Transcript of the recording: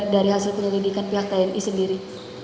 dari hasil penyelidikan pihak tni sendiri